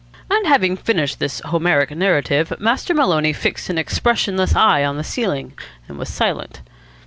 And having finished this Homeric narrative, Master Maloney fixed an expressionless eye on the ceiling, and was silent.